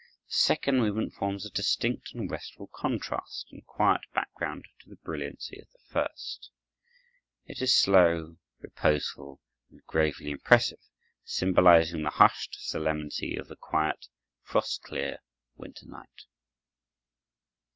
The second movement forms a distinct and restful contrast and quiet background to the brilliancy of the first. It is slow, reposeful, and gravely impressive, symbolizing the hushed solemnity of the quiet, frost clear, winter night.